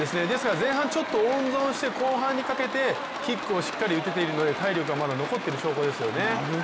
前半温存して、後半にかけてキックをしっかり打てているので体力がしっかり残っている証拠ですよね。